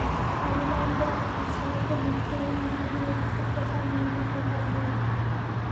অবিলম্বে আবদুস সালামকে মুক্তি এবং ইটিভির অনুষ্ঠান প্রচার নির্বিঘ্ন করা হোক।